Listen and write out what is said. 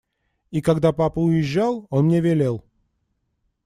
И, когда папа уезжал, он мне велел…